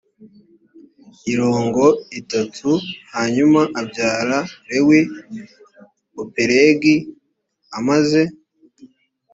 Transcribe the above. irongo itatu hanyuma abyara rewu o pelegi amaze